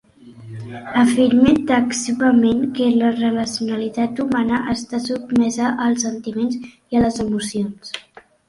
Afirme taxativament que la racionalitat humana està sotmesa als sentiments i a les emocions.